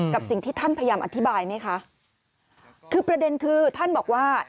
กับสิ่งที่ท่านพยายามอธิบายไหมคะคือประเด็นคือท่านบอกว่า